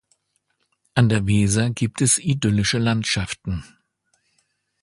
An der Weser gibt es idyllische Landschaften.